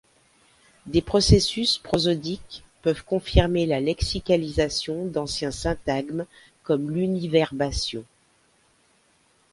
Des processus prosodiques peuvent confirmer la lexicalisation d'anciens syntagmes, comme l'univerbation.